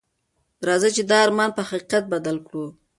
راځئ چې دا ارمان په حقیقت بدل کړو.